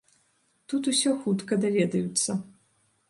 Тут усё хутка даведаюцца.